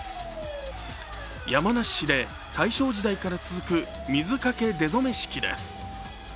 山梨市で大正時代から続く水かけ出初め式です。